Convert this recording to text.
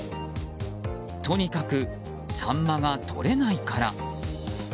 とにかくサンマがとれないから。